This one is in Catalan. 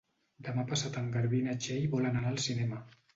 Demà passat en Garbí i na Txell volen anar al cinema.